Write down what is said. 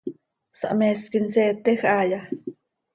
¿Sahmees quij inseetej haaya?